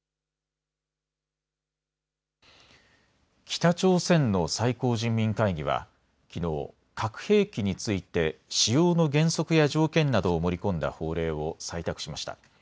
北朝鮮の最高人民会議はきのう核兵器について使用の原則や条件などを盛り込んだ法令を採択しました。